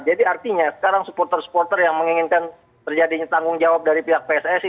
jadi artinya sekarang supporter supporter yang menginginkan terjadinya tanggung jawab dari pihak pssi